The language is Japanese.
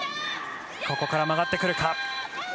ここから曲がってくるか。